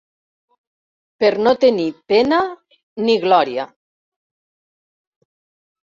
Per no tenir pena ni gloria